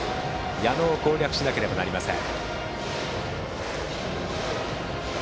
矢野を攻略しなければなりません。